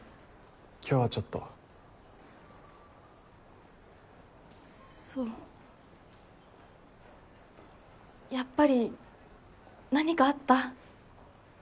今日はちょっとそうやっぱり何かあった？